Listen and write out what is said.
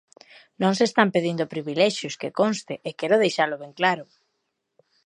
Non se están pedindo privilexios, que conste, e quero deixalo ben claro.